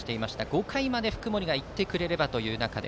５回まで福盛が行ってくれればという中で